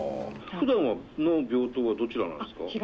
ふだんの病棟はどちらなんですか？